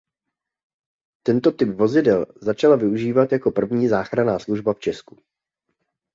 Tento typ vozidel začala využívat jako první záchranná služba v Česku.